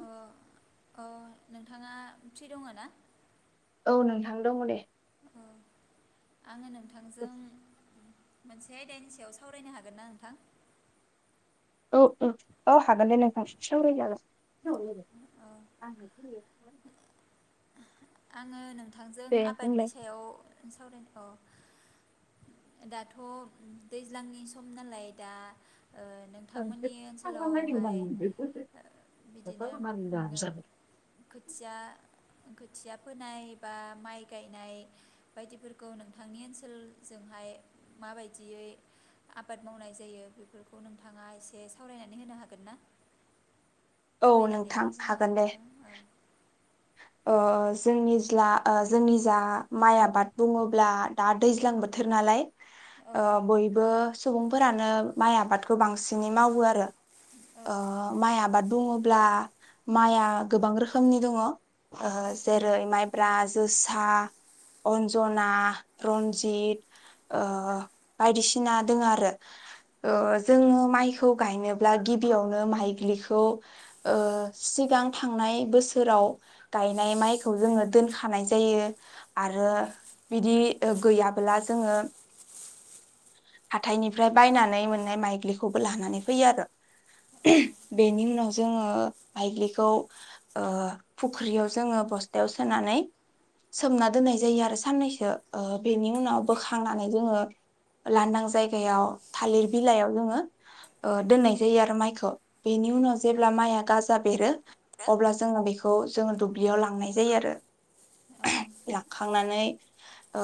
अ अ नोंथाङा फ्रि दङ ना? औ नोंथां दङ दे। अ आङो नोंथांजों मोनसे आयदानि सायाव सावरायनो हागोन ना नोंथां? औ औ हागोन दे नोंथां सावराय जागोन। [inaudible] अ आङो नों थांजों आबादनि बुंलाय सायाव सावरायनो औ। दाथ' दैज्लांनि सम नालाय दा ओ औ नोंथांमोननि ओनसोलावहाय ओ बिदिनो खोथिया खोथिया फोनाय बा माइ गायनाय बायदिफोरखौ नोंथांनि ओनसोल जोंहाय माबायदियै आबाद मावनाय जायो बेफोरखौ नोंथाङा एसे सावरायनानै होनो हागोन ना? फोरमायनानै नोंथां होनो हागोन दे नोंथां ओ। ओ जोंनि जा ओ जोंनि जा माइ आबाद बुङोब्ला दा दैज्लां बोथोर नालाय औ ओ नोंथां बयबो सुबुं फोरानो माइ आबादखौ बांसिनै मावो आरो। औ ओ माइ आबाद बुङोब्ला माइआ गोबां रोखोमनि दङ। ओ औ जेरै माइब्रा जोसा, अन्जना, रन्जित ओ बायदिसिना दोङो आरो ओ औ जोंनि माइखौ गायनोब्ला गिबियावनो माइग्लिखौ ओ सिगां थांनाय बोसोराव गायनाय माइखौ जोङो दोनखानाय जायो। आरो औ बिदि ओ गैयाबोला जोङो हाथायनिफ्राय बायनानै मोननाय माइग्लिखौबो लानानै फैयो आरो। औ [unintelligible] बेनि उनाव जोङो बाइग्लिखौ ओ फुख्रियाव जोङो बस्थायाव सोनानै सोमना दोननाय जायो आरो साननैसो ओ बेनि उनाव बोखांनानै जोङो लांदां जायगायाव थालिर बिलाइयाव जोङो ओ दोननाय जायो आरो माइखौ बेनि उन जेब्ला माइआ गाजा बेरो अब्ला जोङो बेखौ जोङो दुब्लियाव लांनाय जायो आरो। औ [unintelligible] लाखांनानै ओ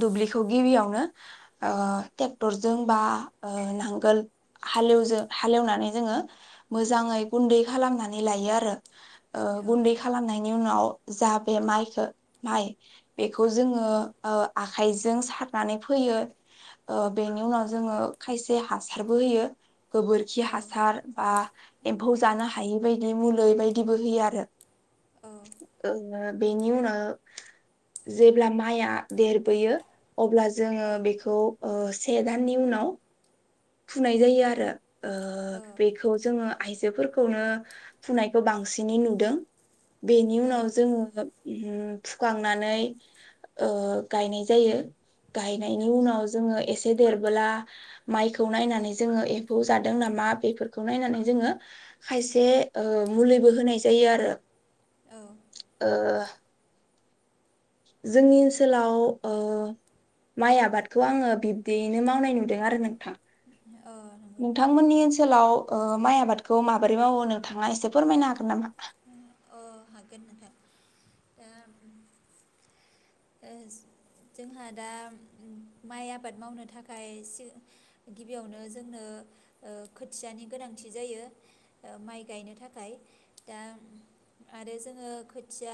दुब्लिखौ गिबियावनो ओ टेक्टरजों बा ओ नांगोल हालेवजो हालेवनानै जोङो मोजाङै गुन्दै खालामनानै लायो आरो। ओ गुन्दै खालामनायनि उनाव जा बे माइखो माइ बेखौ जोङो ओ आखाइजों सारनानै फोयो ओ बेनि उनाव जोङो खायसे हासारबो होयो। गोबोरखि हासार आ एम्फौ जानो हायि बाय इदि मुलै बायदिबो होयो आरो ओ बेनि उनाव जेब्ला माइआ देरबोयो अब्ला जोङो बेखौ ओ से दाननि उनाव फुनाय जायो आरो। ओ बेखौ जोङो आइ बेफोरखौनो फुनायखौ बांसिनै नुदों। बेनि उनाव जोङो उम। फुखांनानै ओ गायनाय जायो गायनायनि उनाव जोङो एसे देरबोला माइ खौ नायनानै जोङो एम्फौ जादों नामा बेफोरखौ नायनानै जोङो खायसे ओ मुलिबो होनाय जायो आरो औ ओ जोंनि ओनसोलाव ओ माइ आबादखौ आङो बिब्दियैनो मावनाय नुदों आरो नोंथां औ नंगौ नोंथां नोंथांमोननि ओनसोलाव ओ माइ आबादखौ माबोरै मावो नोंथांआ एसे फोरमायनो हागोन नामा। ओ हागोन नोंथां दा ओ जोंहा दा माइ आबाद मावनो थाखाय सो गिबियावनो जोंनो ओ खोथियानि गोनांथि जायो ओ माइ गायनो थाखाय दा आरो जोङो खोथिया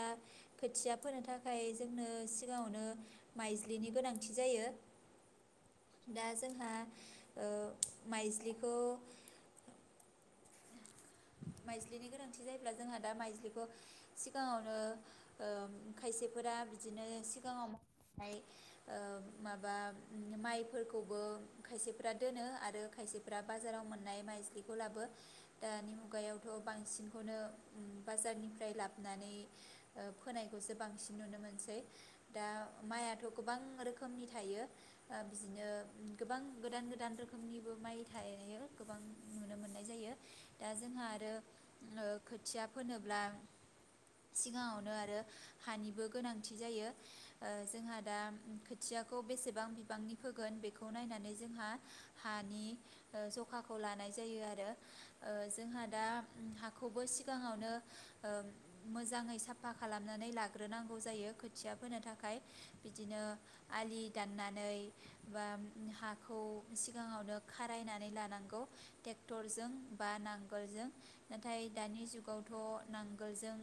खोथिया फोनो थाखाय जोंनो सिगाङावनो माइज्लिनि गोनांथि जायो दा जोंहा ओ माइज्लिखौ माइज्लिनि गोनांथि जायोब्ला जोंहा दा माइज्लिखौ सिगाङावनो ओम खायसेफोरा बिदिनो सिगाङाव ओ माबा माइफोरखौबो खायसेफ्रा दोनो आरो खायसेफ्रा बाजाराव मोननाय माइज्लिखौ लाबो दानि मु गायावथ' बांसिनखौनो बाजारनिफ्राय लाबोनानै ओ फोनायखौसो बांसिन नुनो मोनसै दा माइयाथ' गोबां रोखोमनि थायो ओ बिजिनो गोबां गोदान गोदान रोखोमनिबो माइ थायो गोबां नुनो मोननाय जायो दा जोंहा आरो ओ खोथिया फोनोब्ला सिगाङावनो आरो हानिबो गोनांथि जायो ओ जोंहा दा खोथियाखौ बेसेबां बिबांनि फोगोन बेखौ नायनानै जोंहा हानि ओ जखाखौ लानाय जायो आरो ओ जोंहा दा हाखौबो सिगाङावनो ओम मोजाङै साफा खालामनानै लाग्रोनांगौ जायो खोथिया फोनो थाखाय बिदिनो आलि दाननानै बा हाखौ सिगाङावनो खारायनानै लानांगौ टेक्टरजों बा नां गोलजों नाथाय दानि जुगावथ' नांगोलजों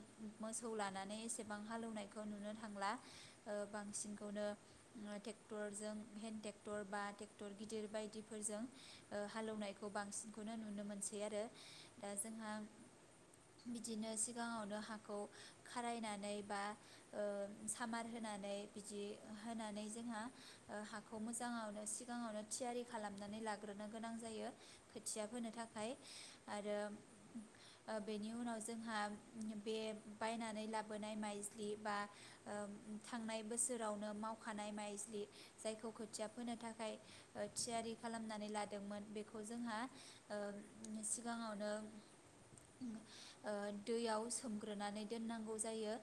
मोसौ लानानै एसेबां हालौनायखौ नुनो थांला ओ बांसिनखौनो ट्रेक्टरजों हेन्द ट्रेक्टर बा ट्रेक्टर गिदिर बायदिफोरजों ओ हालौवनायखौ बांसिनखौनो नुनो मोनसै आरो दा जोंहा बिदिनो सिगाङावनो हाखौ खारायनानै बा ओ सामार होनानै बिदि होनानै जोंहा ओ हाखौ मोजाङावनो सिगाङावनो थियारि खालामनानै लाग्रोनो गोनां जायो खोथिया होनो थाखाय। आरो ओ बेनि उनाव जोंहा बे बायनानै लाबोनाय माइज्लि बा ओम थांनाय बोसोरावनो मावखानाय माइज्लि जायखौ खोथिया फोनो थाखाय ओ थियारि खालामनानै लादोंमोन बेखौ जोंहा ओ सि गाङावनो ओ दैयाव सोमग्रोनानै दोननांगौ जायो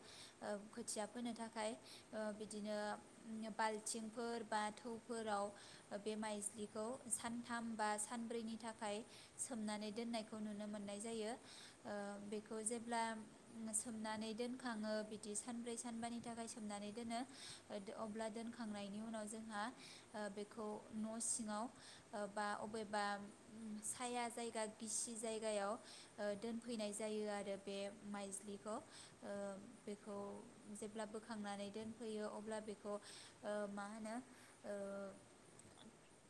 ओ खोथिया फोनो थाखाय ओ बिदिनो बाल्थिंफोर बा थौफोराव बे माइज्लिखौ सानथाम बा सानब्रैनि थाखाय सोमनानै दोननायखौ नुनो मोननाय जायो ओ बेखौ जेब्ला सोमनानै दोनखाङो बिदि सानब्रै सानबानि थाखाय सोमनानै दोनो अब्ला दोनखांनायनि उनाव जोंहा ओ बेखौ न सिङाव बा अबेबा साया जायगा गिसि जायगायाव ओ दोनफैनाय जायो आरो बे माइज्लिखौ ओ बेखौ जेब्ला बोखांनानै दोनफैयो अब्ला बेखौ ओ मा होनो ओ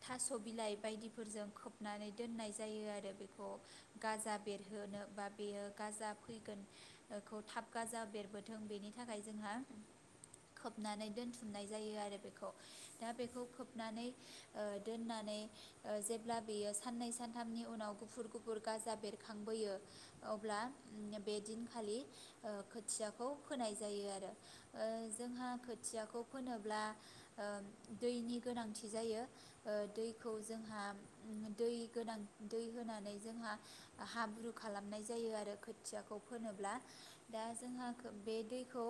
थास' बिलाइ बायदिफोरजों खोबनानै दोननाय जायो आरो बे खौ गाजा बेरहोनो बा बेयो गाजा फैगोन खौ थाब गाजा बेरबोथों बेनि थाखाय जोंहा खोबनानै दोनथुमनाय जायो आरो बेखौ दा बेखौ खोबनानै ओ दोननानै ओ जेब्ला बेयो साननै सानथामनि उनाव गुफुर गुफुर गाजा बेरखांबोयो अब्ला बे दिनखालि ओ खोथिखौ फोनाय जायो आरो ओ जोंहा खोथियाखौ फोनोब्ला ओ दैनि गोनांथि जायो ओ दैखौ जोंहा दै गोनां दै होनानै जोंहा हाब्रु खालामनाय जायो आरो खोथियाखौ फोनोब्ला दा जोंहा बे दैखौ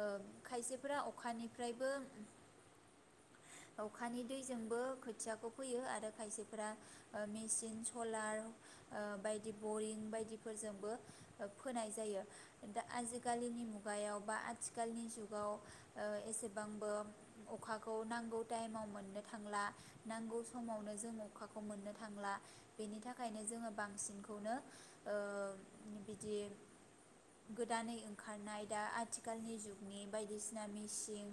ओ खायसेफोरा अखानिफ्रायबो अखानि दैजोंबो खोथियाखौ फोयो आरो खायसेफोरा ओ मेसिन सलार आ बायदि बरिं बायदिफोरजोंबो फोनाय जायो दा आजिखालिनि मुगायाव बा आथिखालनि जुगाव ओ एसेबांबो अखाखौ नांगौ टाइमाव मोननो थांला नांगौ समावनो जों अखाखौ मोननो थांला बेनि थाखायनो जोङो बांसिनखौनो ओ बिदि गोदानै ओंखारनाय दा आथिखालनि जुगनि बायदिसिना मेसिं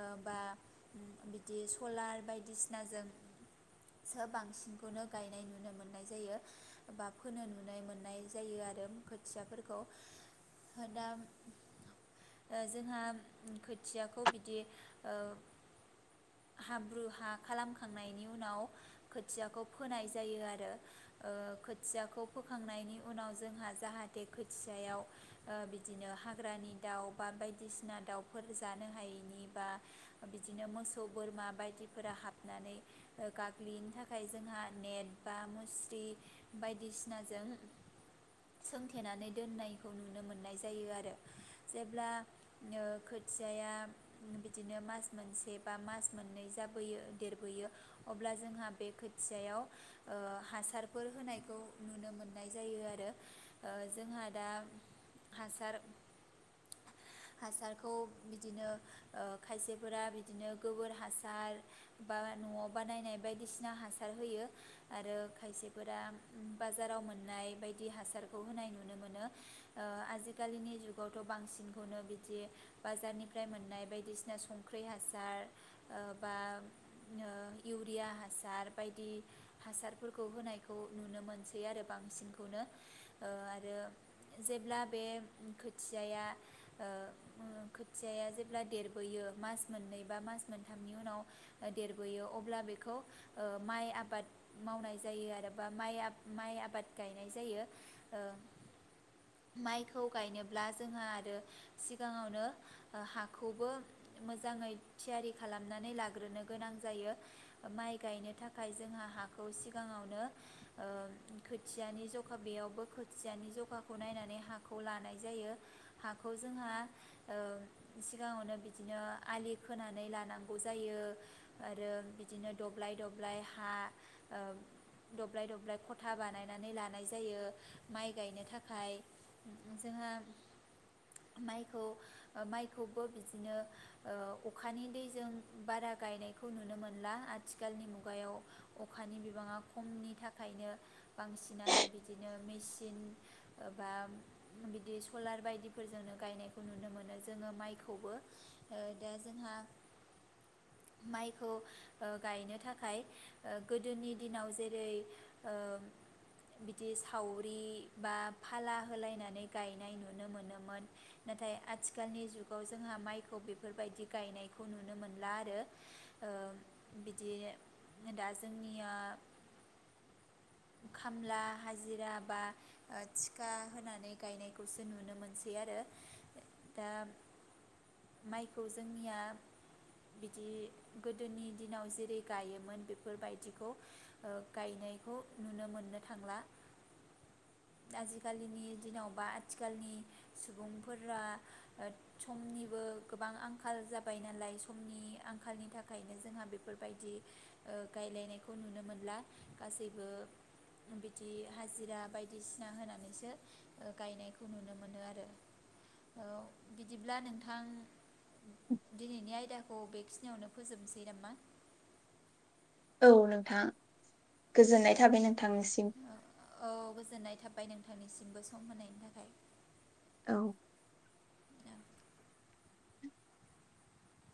ओ बा बिदि सलार बायदिसिनाजोंसो बांसिनखौनो गायनाय नु यो मोननाय जायो बा फोनो नुनो मोननाय जायो आरो खोथियाफोरखौ दा जोंहा खोथियाखौ बिदि ओ हाब्रु हा खालामखांनायनि उनाव खोथियाखौ फोनाय जायो आ रो ओ खोथियाखौ फोखांनायनि उनाव जोंहा जाहाथे खोथियायाव ओ बिदिनो हाग्रानि दाउ बा बायदिसिना दाउफोर जानो हायैनि बा बिदिनो मोसौ बोरमा बायदिफोरा हाबनानै ओ गाग्लियैनि थाखाय जोंहा नेट बा मुस्रि बायदिसिनाजों सोंथेनानै दोननायखौ नुनो मोननाय जायो आरो जेब्ला नो खोथियाया बिदिनो मास मोनसे बा मास मोननै जाबोयो देरबोयो अब्ला जोंहा बे खोथियाव ओ हासारफोर होनायखौ नुनो मोननाय जायो आरो ओ जोंहा दा हासार हासारखौ बिदिनो ओ खायसेफोरा बिदिनो गोबोर हासार बा न'आव बानायनाय बायदिसिना हासार होयो। आरो खायसेफोरा बाजाराव मोननाय बायदि हासारखौ होनाय नुनो मोनो ओ आजिखालिनि जुगावथ' बांसिनखौनो बिदि बाजारनिफ्राय मोननाय बायदिसिना संख्रि हासार ओ बा ओ इउरिया हासार बायदि हासारफोरखौ होनायखौ नुनो मोनसै आरो बांसिनखौनो ओ आरो जेब्ला बे खोथियाय ओ खोथियाया जेब्ला देरबोयो मास मोननै बा मास मोनथामनि उनाव देरबोयो अब्ला बेखौ ओ माइ आबाद मावनाय जायो आरो बा माइ आब माइ आबाद गायनाय जायो ओ माइखौ गायनोब्ला जोंहा आरो सिगाङावनो हाखौबो मोजाङै थियारि खालामनानै लाग्रोनो गोनां जायो माइ गायनो थाखाय जोंहा हा खौ सिगाङावनो ओ खोथियानि जखा बेयावबो खोथियानि जखाखौ नायनानै हाखौ लानाय जायो हाखौ जोंहा ओ सिगाङावनो बिदिनो आलि खोनानै लानांगौ जायो आरो बिदिनो दब्लाय दब्लाय हा ओ दब्लाय दब्लाय खथा बानायनानै लानाय जायो माइ गायनो थाखाय जोंहा माइखौ ओ माइखौबो बिदिनो ओ अखानि दैजों बारा गायनायखौ नुनो मोनला आथिखालनि मुगायाव अखानि बिबाङा खमनि थाखायनो बांसिनानो बिदिनो मेसिन बा बिदि सलार बायदिफोरजोंनो गायनायखौ नुनो मोनो जोङो माइखौबो ओ दा जोंहा माइखौ ओ गायनो थाखाय ओ गोदोनि दिनाव जेरै ओ बिदि सावरि बा फाला होलायनानै गायनाय नुनो मोनोमोन नाथाय आथिखालनि जुगाव जोंहा माइखौ बेफोरबायदि गायनायखौ नुनो मोनला आरो ओ बिदि दा जोंनिया खामला हाजिरा बा ओ थिखा होनानै गायनायखौसो नुनो मोनसै आरो दा माइखौ जोंनिया बिदि गोदोनि दिनाव जेरै गायोमोन बे फोरबायदिखौ ओ गायनायखौ नुनो मोननो थांला आजिखालिनि दिनाव बा आथिखालनि सुबुंफोरा ओ समनिबो गोबां आंखाल जाबाय नालाय समनि आंखालनि थाखायनो जोंहा बेफोरबायदि ओ गायलायनायखौ नुनो मोनला गासैबो बिदि हाजिरा बायदिसिना होनानैसो ओ गायनायखौ नुनो मोनो आरो ओ बिदिब्ला नोंथां दिनैनि आयदा औ बेखिनियावनो फोजोबनोसै नामा औ नोंथां औ गोजोननाय थाबाय नोंथांनिसिम थां निसिमबो सम होनायनि थाखाय। औ